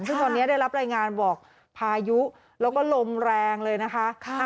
ซึ่งตอนนี้ได้รับรายงานบอกพายุแล้วก็ลมแรงเลยนะคะ